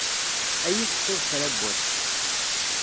Ad iyi-tettuḍ kra n wass.